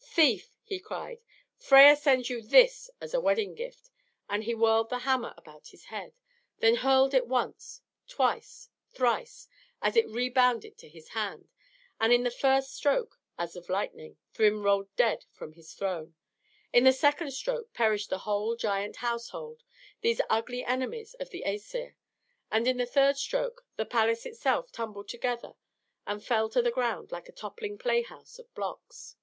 "Thief!" he cried. "Freia sends you this as a wedding gift!" And he whirled the hammer about his head, then hurled it once, twice, thrice, as it rebounded to his hand; and in the first stroke, as of lightning, Thrym rolled dead from his throne; in the second stroke perished the whole giant household these ugly enemies of the Æsir; and in the third stroke the palace itself tumbled together and fell to the ground like a toppling playhouse of blocks.